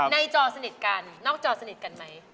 จอสนิทกันนอกจอสนิทกันไหม